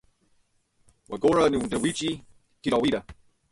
W'aghora ndew'iichi kidaw'ida.